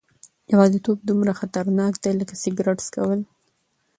یوازیتوب دومره خطرناک دی لکه سګرټ څکول.